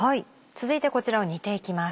続いてこちらを煮ていきます。